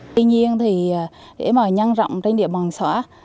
tuy nhiên để nhăn rộng trên địa bàn xóa